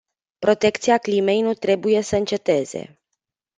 Protecția climei nu trebuie să înceteze.